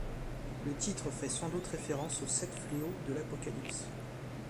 Le titre fait sans doute référence aux sept fléaux de l'Apocalypse.